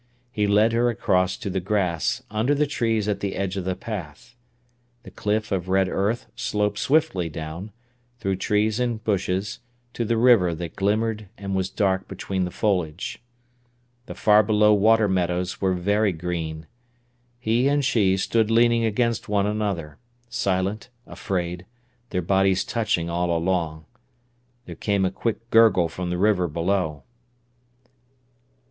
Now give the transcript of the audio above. He led her across to the grass, under the trees at the edge of the path. The cliff of red earth sloped swiftly down, through trees and bushes, to the river that glimmered and was dark between the foliage. The far below water meadows were very green. He and she stood leaning against one another, silent, afraid, their bodies touching all along. There came a quick gurgle from the river below.